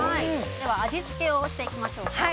味付けをしていきましょうか。